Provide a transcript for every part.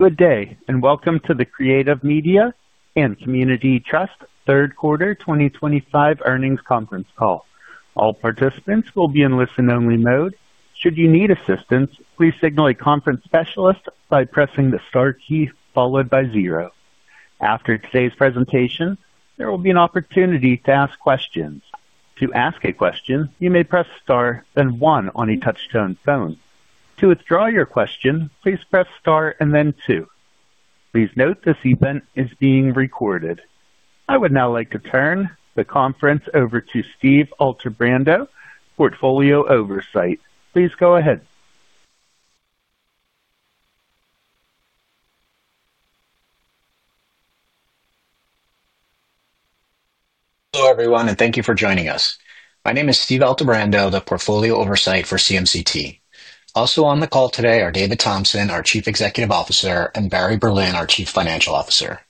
Good day, and welcome to the Creative Media & Community Trust third quarter 2025 earnings conference call. All participants will be in listen-only mode. Should you need assistance, please signal a conference specialist by pressing the star key followed by zero. After today's presentation, there will be an opportunity to ask questions. To ask a question, you may press star, then one on a touch-tone phone. To withdraw your question, please press star and then two. Please note this event is being recorded. I would now like to turn the conference over to Steve Altebrando, Portfolio Oversight. Please go ahead. Hello everyone, and thank you for joining us. My name is Steve Altebrando, the Portfolio Oversight for CMCT. Also on the call today are David Thompson, our Chief Executive Officer, and Barry Berlin, our Chief Financial Officer.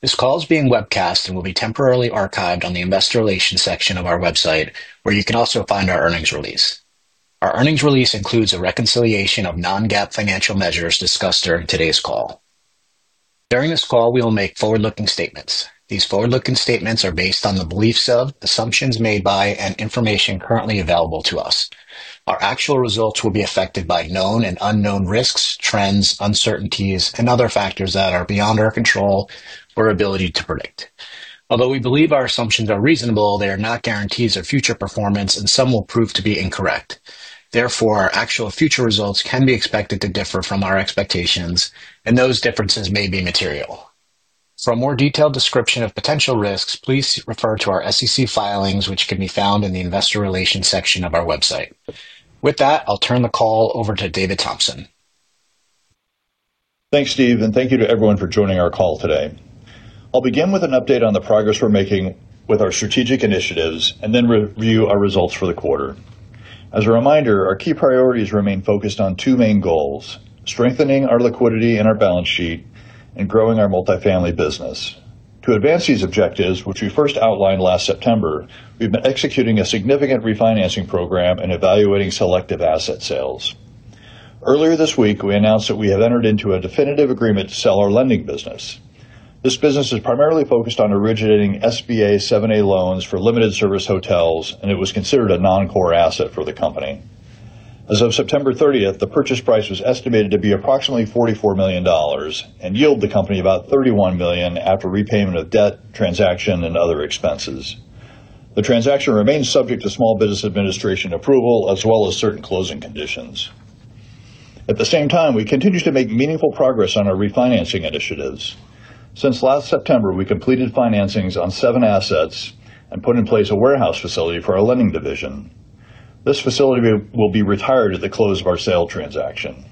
This call is being webcast and will be temporarily archived on the Investor Relations section of our website, where you can also find our earnings release. Our earnings release includes a reconciliation of non-GAAP financial measures discussed during today's call. During this call, we will make forward-looking statements. These forward-looking statements are based on the beliefs of, assumptions made by, and information currently available to us. Our actual results will be affected by known and unknown risks, trends, uncertainties, and other factors that are beyond our control or ability to predict. Although we believe our assumptions are reasonable, they are not guarantees of future performance, and some will prove to be incorrect. Therefore, our actual future results can be expected to differ from our expectations, and those differences may be material. For a more detailed description of potential risks, please refer to our SEC filings, which can be found in the Investor Relations section of our website. With that, I'll turn the call over to David Thompson. Thanks, Steve, and thank you to everyone for joining our call today. I'll begin with an update on the progress we're making with our strategic initiatives and then review our results for the quarter. As a reminder, our key priorities remain focused on two main goals: strengthening our liquidity and our balance sheet, and growing our multifamily business. To advance these objectives, which we first outlined last September, we've been executing a significant refinancing program and evaluating selective asset sales. Earlier this week, we announced that we have entered into a definitive agreement to sell our lending business. This business is primarily focused on originating SBA 7(a) loans for limited service hotels, and it was considered a non-core asset for the company. As of September 30th, the purchase price was estimated to be approximately $44 million and yield the company about $31 million after repayment of debt transaction and other expenses. The transaction remains subject to Small Business Administration approval, as well as certain closing conditions. At the same time, we continue to make meaningful progress on our refinancing initiatives. Since last September, we completed financings on seven assets and put in place a warehouse facility for our lending division. This facility will be retired at the close of our sale transaction.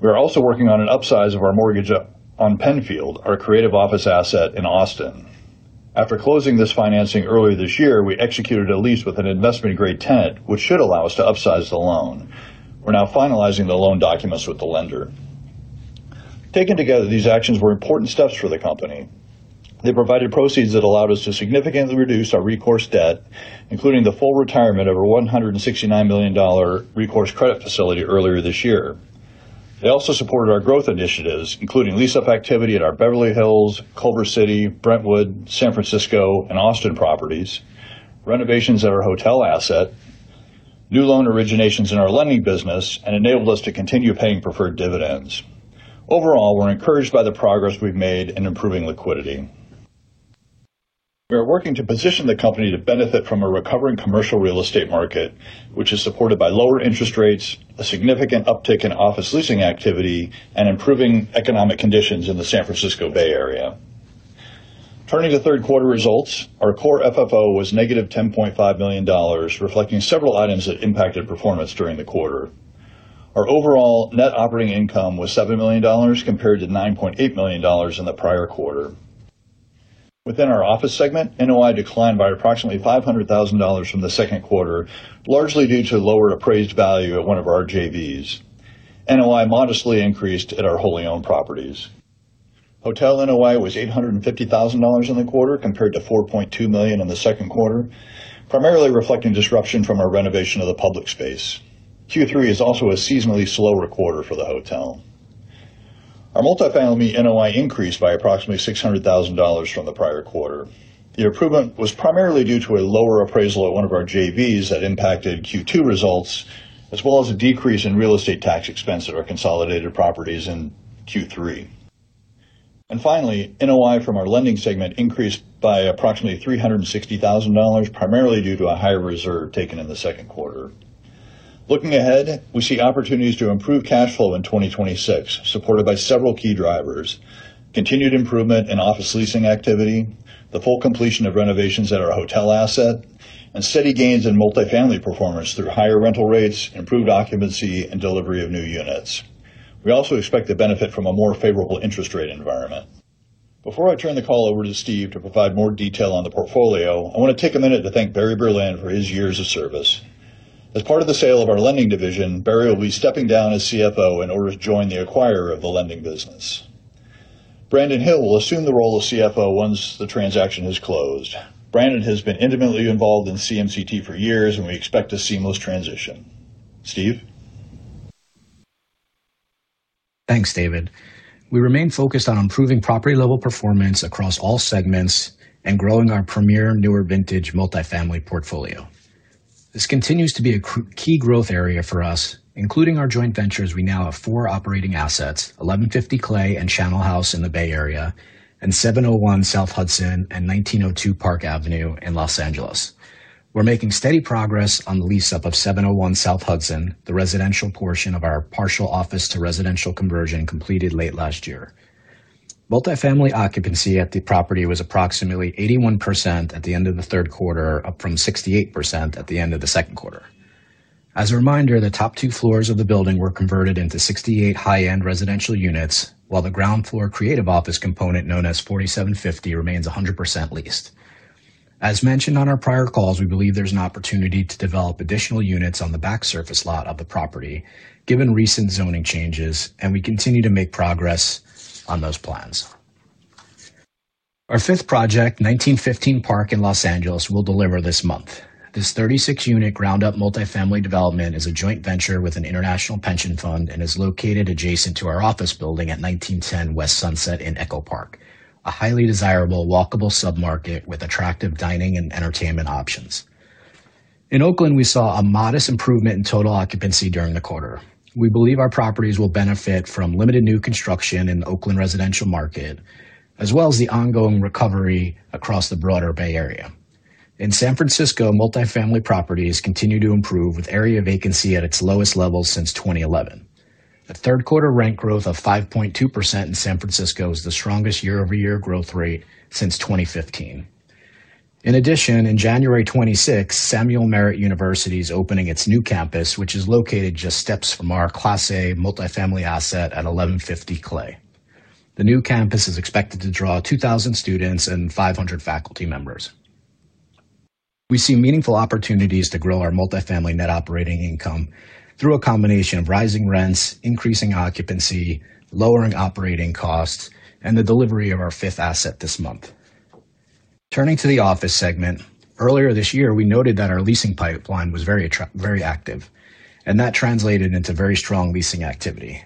We are also working on an upsize of our mortgage on Penfield, our creative office asset in Austin. After closing this financing earlier this year, we executed a lease with an investment grade tenant, which should allow us to upsize the loan. We're now finalizing the loan documents with the lender. Taken together, these actions were important steps for the company. They provided proceeds that allowed us to significantly reduce our recourse debt, including the full retirement of our $169 million recourse credit facility earlier this year. They also supported our growth initiatives, including lease-up activity at our Beverly Hills, Culver City, Brentwood, San Francisco, and Austin properties, renovations at our hotel asset, new loan originations in our lending business, and enabled us to continue paying preferred dividends. Overall, we're encouraged by the progress we've made in improving liquidity. We are working to position the company to benefit from a recovering commercial real estate market, which is supported by lower interest rates, a significant uptick in office leasing activity, and improving economic conditions in the San Francisco Bay Area. Turning to third quarter results, our core FFO was negative $10.5 million, reflecting several items that impacted performance during the quarter. Our overall net operating income was $7 million compared to $9.8 million in the prior quarter. Within our office segment, NOI declined by approximately $500,000 from the second quarter, largely due to lower appraised value at one of our JVs. NOI modestly increased at our wholly owned properties. Hotel NOI was $850,000 in the quarter compared to $4.2 million in the second quarter, primarily reflecting disruption from our renovation of the public space. Q3 is also a seasonally slower quarter for the hotel. Our multifamily NOI increased by approximately $600,000 from the prior quarter. The improvement was primarily due to a lower appraisal at one of our JVs that impacted Q2 results, as well as a decrease in real estate tax expense at our consolidated properties in Q3. Finally, NOI from our lending segment increased by approximately $360,000, primarily due to a higher reserve taken in the second quarter. Looking ahead, we see opportunities to improve cash flow in 2026, supported by several key drivers: continued improvement in office leasing activity, the full completion of renovations at our hotel asset, and steady gains in multifamily performance through higher rental rates, improved occupancy, and delivery of new units. We also expect to benefit from a more favorable interest rate environment. Before I turn the call over to Steve to provide more detail on the portfolio, I want to take a minute to thank Barry Berlin for his years of service. As part of the sale of our lending division, Barry will be stepping down as CFO in order to join the acquirer of the lending business. Brandon Hill will assume the role of CFO once the transaction is closed. Brandon has been intimately involved in CMCT for years, and we expect a seamless transition. Steve? Thanks, David. We remain focused on improving property-level performance across all segments and growing our premier newer vintage multifamily portfolio. This continues to be a key growth area for us, including our joint ventures. We now have four operating assets: 1150 Clay and Channel House in the Bay Area, and 701 South Hudson and 1902 Park Avenue in Los Angeles. We're making steady progress on the lease-up of 701 South Hudson, the residential portion of our partial office-to-residential conversion completed late last year. Multifamily occupancy at the property was approximately 81% at the end of the third quarter, up from 68% at the end of the second quarter. As a reminder, the top two floors of the building were converted into 68 high-end residential units, while the ground floor creative office component, known as 4750, remains 100% leased. As mentioned on our prior calls, we believe there's an opportunity to develop additional units on the back surface lot of the property, given recent zoning changes, and we continue to make progress on those plans. Our fifth project, 1915 Park in Los Angeles, will deliver this month. This 36-unit ground-up multifamily development is a joint venture with an international pension fund and is located adjacent to our office building at 1910 West Sunset in Echo Park, a highly desirable walkable submarket with attractive dining and entertainment options. In Oakland, we saw a modest improvement in total occupancy during the quarter. We believe our properties will benefit from limited new construction in the Oakland residential market, as well as the ongoing recovery across the broader Bay Area. In San Francisco, multifamily properties continue to improve, with area vacancy at its lowest level since 2011. A third-quarter rent growth of 5.2% in San Francisco is the strongest year-over-year growth rate since 2015. In addition, in January 26, Samuel Merritt University is opening its new campus, which is located just steps from our Class A multifamily asset at 1150 Clay. The new campus is expected to draw 2,000 students and 500 faculty members. We see meaningful opportunities to grow our multifamily net operating income through a combination of rising rents, increasing occupancy, lowering operating costs, and the delivery of our fifth asset this month. Turning to the office segment, earlier this year, we noted that our leasing pipeline was very active, and that translated into very strong leasing activity.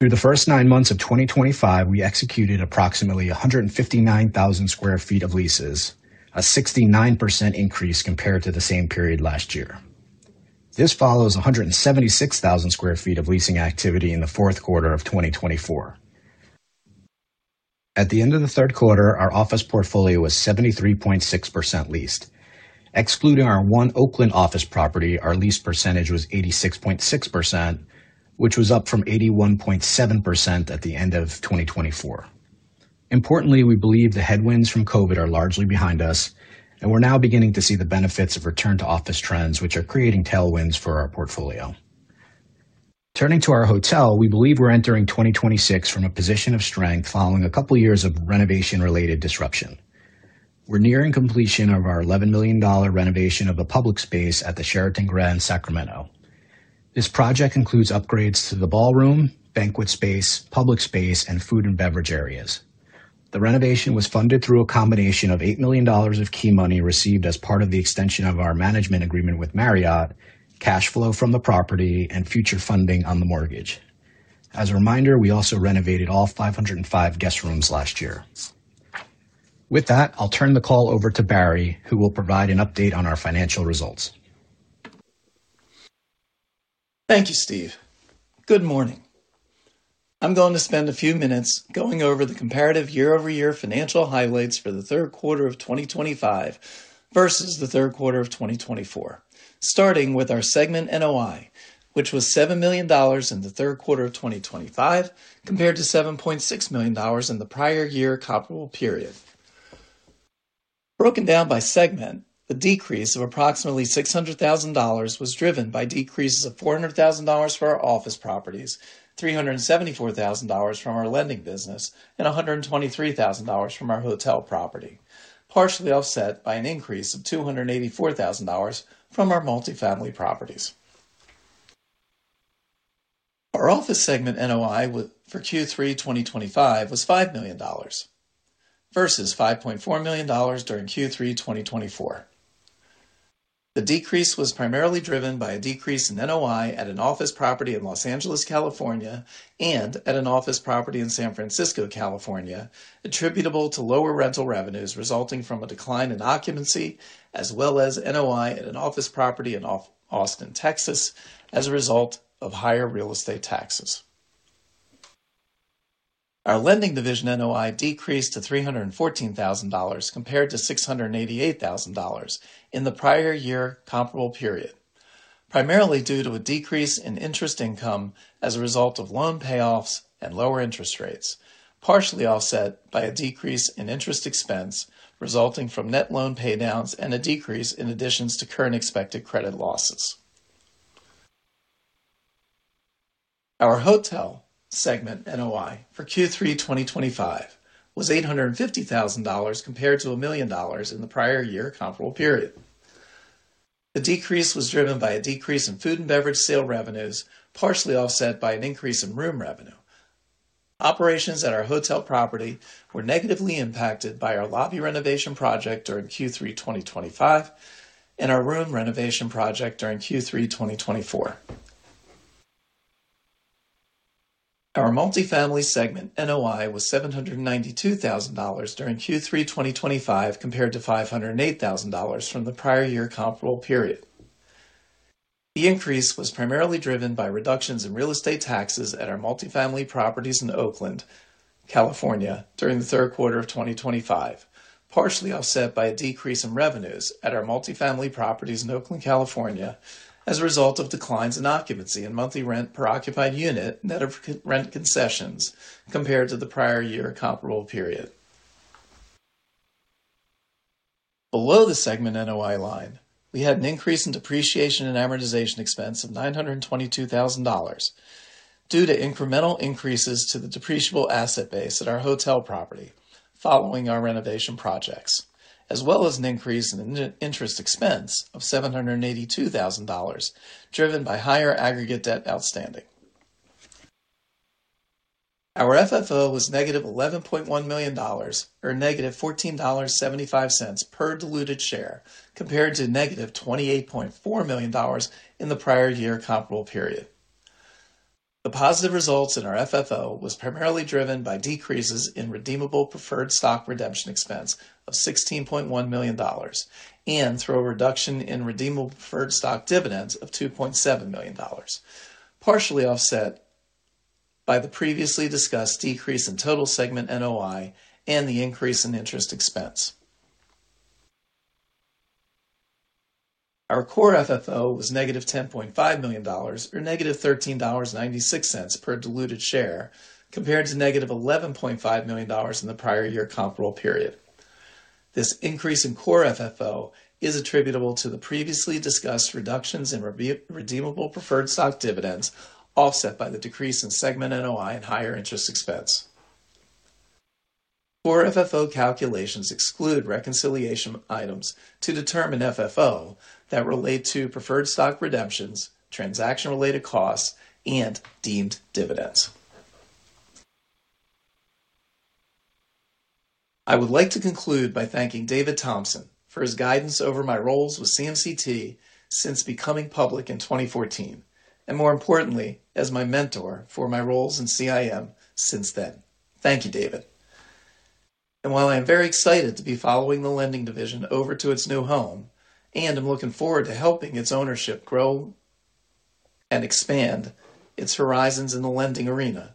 Through the first nine months of 2025, we executed approximately 159,000 sq ft of leases, a 69% increase compared to the same period last year. This follows 176,000 sq ft of leasing activity in the fourth quarter of 2024. At the end of the third quarter, our office portfolio was 73.6% leased. Excluding our one Oakland office property, our lease percentage was 86.6%, which was up from 81.7% at the end of 2024. Importantly, we believe the headwinds from COVID are largely behind us, and we're now beginning to see the benefits of return-to-office trends, which are creating tailwinds for our portfolio. Turning to our hotel, we believe we're entering 2026 from a position of strength following a couple of years of renovation-related disruption. We're nearing completion of our $11 million renovation of public space at the Sheraton Grand Sacramento. This project includes upgrades to the ballroom, banquet space, public space, and food and beverage areas. The renovation was funded through a combination of $8 million of key money received as part of the extension of our management agreement with Marriott, cash flow from the property, and future funding on the mortgage. As a reminder, we also renovated all 505 guest rooms last year. With that, I'll turn the call over to Barry, who will provide an update on our financial results. Thank you, Steve. Good morning. I'm going to spend a few minutes going over the comparative year-over-year financial highlights for the third quarter of 2025 versus the third quarter of 2024, starting with our segment NOI, which was $7 million in the third quarter of 2025 compared to $7.6 million in the prior year comparable period. Broken down by segment, the decrease of approximately $600,000 was driven by decreases of $400,000 for our office properties, $374,000 from our lending business, and $123,000 from our hotel property, partially offset by an increase of $284,000 from our multifamily properties. Our office segment NOI for Q3 2025 was $5 million versus $5.4 million during Q3 2024. The decrease was primarily driven by a decrease in NOI at an office property in Los Angeles, California, and at an office property in San Francisco, California, attributable to lower rental revenues resulting from a decline in occupancy, as well as NOI at an office property in Austin, Texas, as a result of higher real estate taxes. Our lending division NOI decreased to $314,000 compared to $688,000 in the prior year comparable period, primarily due to a decrease in interest income as a result of loan payoffs and lower interest rates, partially offset by a decrease in interest expense resulting from net loan paydowns and a decrease in additions to current expected credit losses. Our hotel segment NOI for Q3 2025 was $850,000 compared to $1 million in the prior year comparable period. The decrease was driven by a decrease in food and beverage sale revenues, partially offset by an increase in room revenue. Operations at our hotel property were negatively impacted by our lobby renovation project during Q3 2025 and our room renovation project during Q3 2024. Our multifamily segment NOI was $792,000 during Q3 2025 compared to $508,000 from the prior year comparable period. The increase was primarily driven by reductions in real estate taxes at our multifamily properties in Oakland, California, during the third quarter of 2025, partially offset by a decrease in revenues at our multifamily properties in Oakland, California, as a result of declines in occupancy and monthly rent per occupied unit net of rent concessions compared to the prior year comparable period. Below the segment NOI line, we had an increase in depreciation and amortization expense of $922,000 due to incremental increases to the depreciable asset base at our hotel property following our renovation projects, as well as an increase in interest expense of $782,000 driven by higher aggregate debt outstanding. Our FFO was negative $11.1 million, or negative $14.75 per diluted share, compared to negative $28.4 million in the prior year comparable period. The positive results in our FFO were primarily driven by decreases in redeemable preferred stock redemption expense of $16.1 million and through a reduction in redeemable preferred stock dividends of $2.7 million, partially offset by the previously discussed decrease in total segment NOI and the increase in interest expense. Our core FFO was negative $10.5 million, or negative $13.96 per diluted share, compared to negative $11.5 million in the prior year comparable period. This increase in core FFO is attributable to the previously discussed reductions in redeemable preferred stock dividends, offset by the decrease in segment NOI and higher interest expense. Core FFO calculations exclude reconciliation items to determine FFO that relate to preferred stock redemptions, transaction-related costs, and deemed dividends. I would like to conclude by thanking David Thompson for his guidance over my roles with CMCT since becoming public in 2014, and more importantly, as my mentor for my roles in CIM since then. Thank you, David. While I am very excited to be following the lending division over to its new home, and I am looking forward to helping its ownership grow and expand its horizons in the lending arena,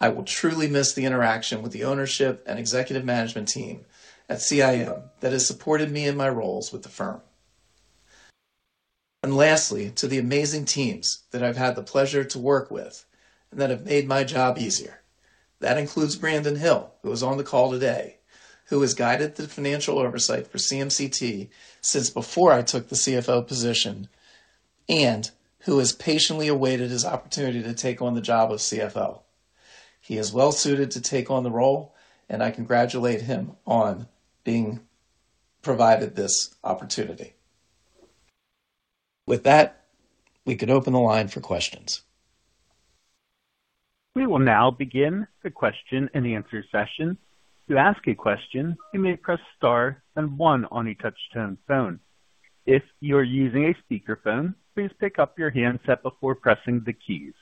I will truly miss the interaction with the ownership and executive management team at CIM that has supported me in my roles with the firm. Lastly, to the amazing teams that I've had the pleasure to work with and that have made my job easier. That includes Brandon Hill, who is on the call today, who has guided the financial oversight for CMCT since before I took the CFO position, and who has patiently awaited his opportunity to take on the job of CFO. He is well-suited to take on the role, and I congratulate him on being provided this opportunity. With that, we can open the line for questions. We will now begin the question and answer session. To ask a question, you may press star and one on your touch-tone phone. If you are using a speakerphone, please pick up your handset before pressing the keys.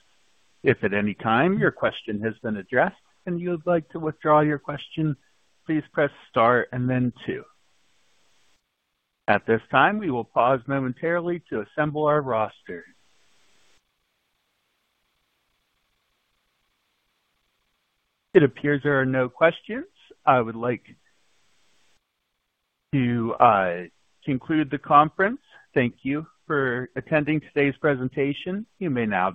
If at any time your question has been addressed and you would like to withdraw your question, please press star and then two. At this time, we will pause momentarily to assemble our roster. It appears there are no questions. I would like to conclude the conference. Thank you for attending today's presentation. You may now.